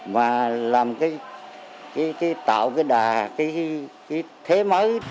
mà làm cái cái tạo cái đà cái thế mới